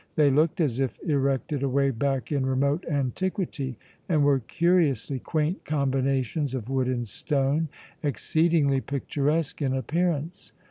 They looked as if erected away back in remote antiquity, and were curiously quaint combinations of wood and stone, exceedingly picturesque in appearance.